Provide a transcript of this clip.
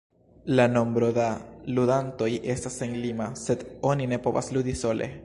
La nombro da ludantoj estas senlima, sed oni ne povas ludi sole.